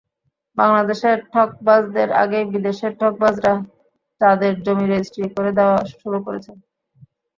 বাংলাদেশের ঠকবাজদের আগেই বিদেশের ঠকবাজেরা চাঁদের জমি রেজিস্ট্রি করে দেওয়া শুরু করেছিল।